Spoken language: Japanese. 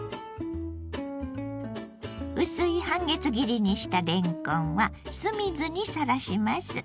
薄い半月切りにしたれんこんは酢水にさらします。